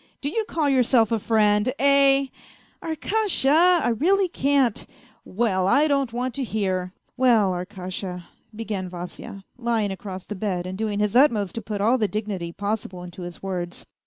Do you call yourself a friend ? Eh ?"" Arkasha, I really can't !"" Well, I don't want to hear. ..."" Well, Arkasha !" began Vasya, lying across the bed and doing his utmost to put all the dignity possible into his words.